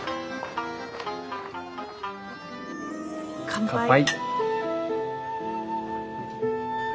乾杯。